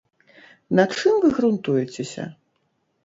На чым вы грунтуецеся?